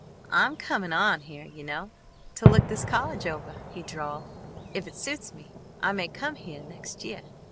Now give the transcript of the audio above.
"I'm coming on heah, you know, to look this college ovah !" he drawled. "If it suits me, I may come heah next yeah.